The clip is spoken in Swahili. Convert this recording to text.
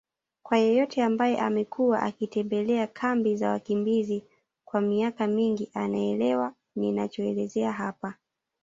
Kwa yeyote ambaye amekuwa akitembelea kambi za wakimbizi kwa miaka mingi anaelewa ninachoelezea hapa